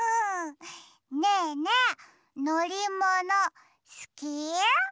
ねえねえのりものすき？